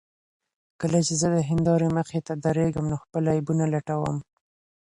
کله چې زه د هندارې مخې ته درېږم نو خپل عیبونه لټوم.